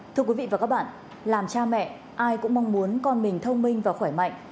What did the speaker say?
thưa quý vị và các bạn làm cha mẹ ai cũng mong muốn con mình thông minh và khỏe mạnh